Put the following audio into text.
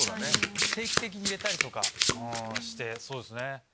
定期的に入れたりとかしてそうですね。